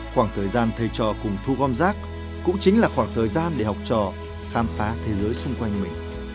khoảng thời gian thầy trò cùng thu gom rác cũng chính là khoảng thời gian để học trò khám phá thế giới xung quanh mình